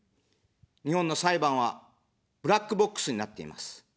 日本の裁判はブラックボックスになっています。